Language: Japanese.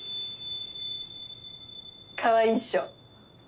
かわいいっしょ。